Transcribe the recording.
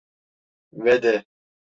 Ve de…